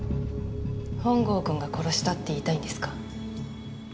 本郷くんが殺したって言いたいんですか？